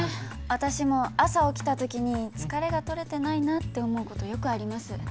私も朝起きたときに疲れが取れてないなって思うことよくあります。